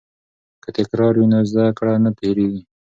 که تکرار وي نو زده کړه نه هیریږي.